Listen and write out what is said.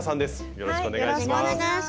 よろしくお願いします。